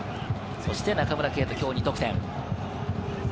そして中村敬斗、今日２得点。